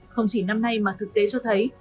không chỉ năm nay mà thực tế cho thấy